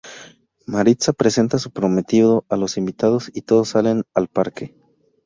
Maritza presenta a su "prometido" a los invitados y todos salen al parque.